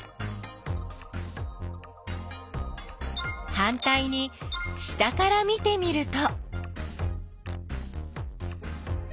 はんたいに下から見てみると。